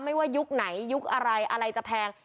ไม่ว่ายุคไหนยุคอะไรอะไรจะแพง